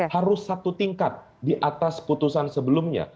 harus satu tingkat di atas putusan sebelumnya